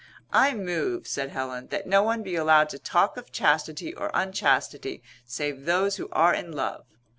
"I move," said Helen, "that no one be allowed to talk of chastity or unchastity save those who are in love."